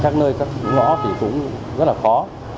các nơi các ngõ thì cũng rất là khó